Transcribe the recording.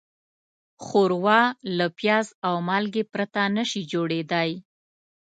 ښوروا له پیاز او مالګې پرته نهشي جوړېدای.